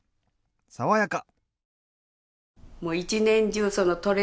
爽やか！